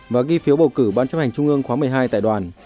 và ghi phiếu bầu cử ban chấp hành trung ương khóa một mươi hai tại đoàn